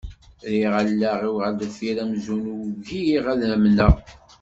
Rriɣ allaɣ-iw ɣer deffir amzun ugiɣ ad amneɣ.